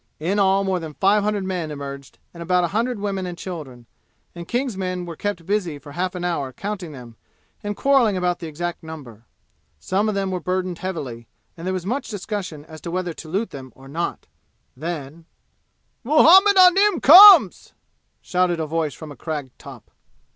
In all more than five hundred men emerged and about a hundred women and children, and King's men were kept busy for half an hour counting them and quarreling about the exact number. Some of them were burdened heavily, and there was much discussion as to whether to loot them or not. Then: "Muhammad Anim comes!" shouted a voice from a crag top.